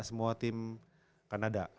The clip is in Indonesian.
semua tim kanada